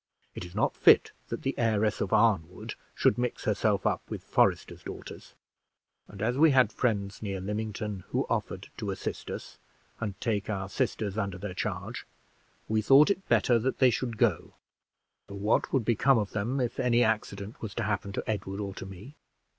It is not fit that the heiress of Arnwood should mix herself up with foresters' daughters; and as we had friends near Lymington, who offered to assist us, and take our sisters under their charge, we thought it better that they should go; for what would become of them, if any accident was to happen to Edward or to me?